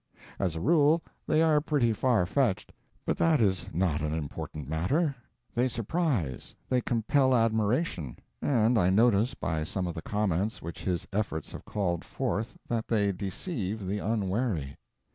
As a rule they are pretty far fetched, but that is not an important matter; they surprise, they compel admiration, and I notice by some of the comments which his efforts have called forth that they deceive the unwary.